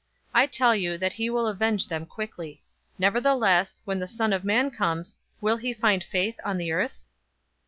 018:008 I tell you that he will avenge them quickly. Nevertheless, when the Son of Man comes, will he find faith on the earth?"